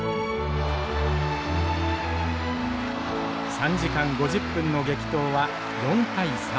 ３時間５０分の激闘は４対３。